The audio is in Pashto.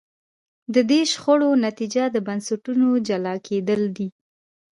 د دې شخړو نتیجه د بنسټونو جلا کېدل دي.